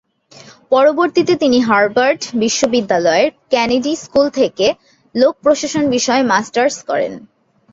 পরবর্তীতে তিনি হার্ভার্ড বিশ্ববিদ্যালয়-এর কেনেডি স্কুল থেকে লোক প্রশাসন বিষয়ে মাস্টার্স করেন।